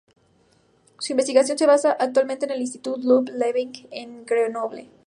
Su investigación se basa actualmente en el Institut Laue-Langevin en Grenoble.